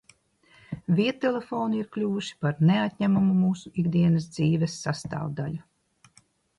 Viedtelefoni ir kļuvuši par neatņemamu mūsu ikdienas dzīves sastāvdaļu.